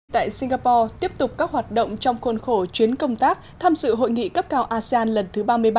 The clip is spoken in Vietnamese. tại singapore tiếp tục các hoạt động trong khuôn khổ chuyến công tác tham dự hội nghị cấp cao asean lần thứ ba mươi ba